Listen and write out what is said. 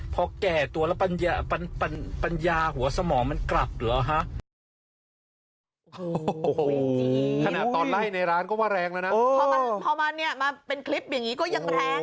พอมาเป็นคลิปอย่างนี้ก็ยังแทงอีกละ